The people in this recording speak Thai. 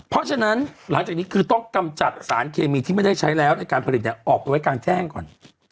เพราะฉะนั้นหลังจากนี้คือต้องกำจัดสารเคมีที่ไม่ได้ใช้แล้วในการผลิตออกไปไว้กลางแจ้งก่อน